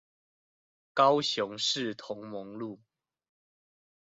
高雄市同盟路